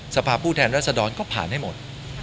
สภาพผู้แทนรัศดรก็ผ่านให้หมด